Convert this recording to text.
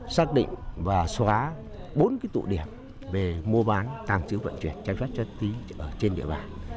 xác định và xóa bốn cái tụ điểm về mua bán tàng trữ vận chuyển trang trách chất tí trên địa bàn